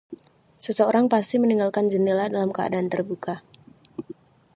Seseorang pasti meninggalkan jendela dalam keadaan terbuka.